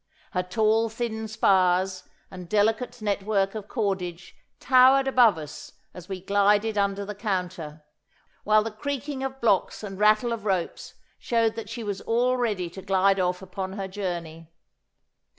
Her tall thin spars and delicate network of cordage towered above us as we glided under the counter, while the creaking of blocks and rattle of ropes showed that she was all ready to glide off upon her journey.